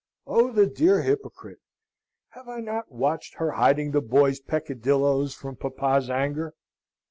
Oh, the dear hypocrite! Have I not watched her hiding the boys' peccadilloes from papa's anger?